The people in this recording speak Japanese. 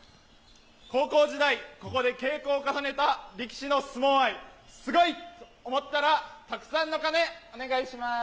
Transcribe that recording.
高校時代、ここで稽古を重ねた力士の相撲愛、すごいと思ったら、たくさんの鐘、お願いします。